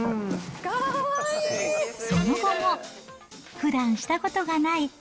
その後も、ふだんしたことがない